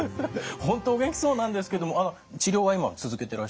本当お元気そうなんですけども治療は今続けてらっしゃる？